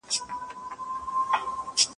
تعلیم به راتلونکې کې لا ښه سي.